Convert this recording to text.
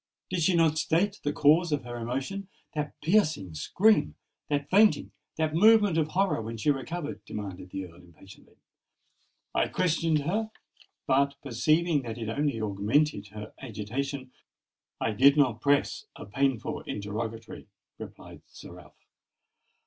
did she not state the cause of her emotion—that piercing scream—that fainting—that movement of horror when she recovered?" demanded the Earl, impatiently. "I questioned her; but, perceiving that it only augmented her agitation, I did not press a painful interrogatory," replied Sir Ralph.